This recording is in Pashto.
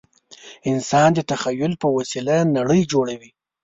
انسان د تخیل په وسیله نړۍ جوړوي.